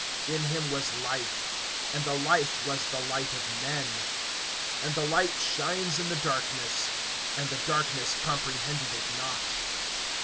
(4)In him was life; and the life was the light of men. (5)And the light shines in the darkness; and the darkness comprehended it not.